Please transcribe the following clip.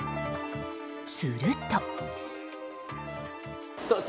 すると。